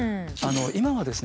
今はですね